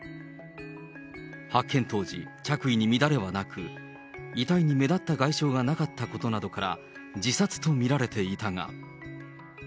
発見当時、着衣に乱れはなく、遺体に目立った外傷がなかったことなどから、自殺と見られていたが。